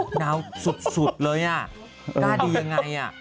หนาวสุดเลยอ่ะหน้าดียังไงอ่ะ